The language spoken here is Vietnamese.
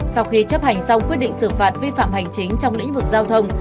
sau khi chấp hành xong quyết định xử phạt vi phạm hành chính trong lĩnh vực giao thông